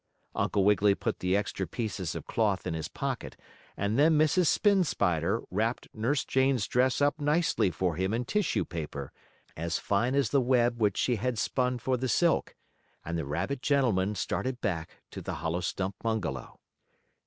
Uncle Wiggily put the extra pieces of cloth in his pocket, and then Mrs. Spin Spider wrapped Nurse Jane's dress up nicely for him in tissue paper, as fine as the web which she had spun for the silk, and the rabbit gentleman started back to the hollow stump bungalow.